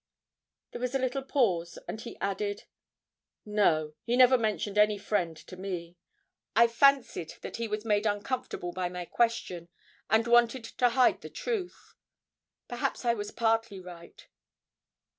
There was a little pause, and he added 'No. He never mentioned any friend to me.' I fancied that he was made uncomfortable by my question, and wanted to hide the truth. Perhaps I was partly right.